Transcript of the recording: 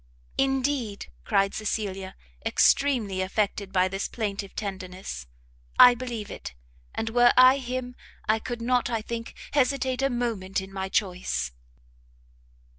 "Indeed," cried Cecilia, extremely affected by this plaintive tenderness, "I believe it and were I him, I could not, I think, hesitate a moment in my choice!"